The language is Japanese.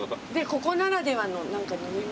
ここならではの飲み物。